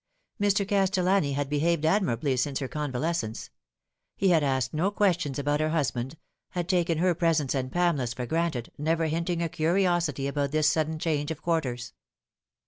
Mr. Castellani had behaved admirably since her convales cence. He had asked no questions about her husband, had taken her presence and Pamela's for granted, never hinting a curiosity about this sudden change of quarters.